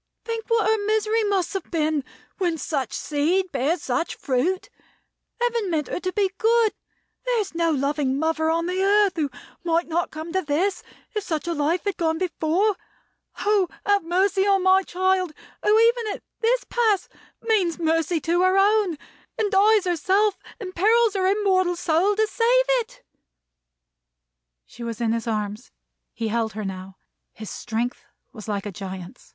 Think what her misery must have been, when such seed bears such fruit. Heaven meant her to be good. There is no loving mother on the earth who might not come to this, if such a life had gone before. Oh, have mercy on my child, who, even at this pass, means mercy to her own, and dies herself, and perils her immortal soul, to save it!" She was in his arms. He held her now. His strength was like a giant's.